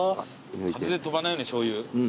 風で飛ばないようにしょうゆ。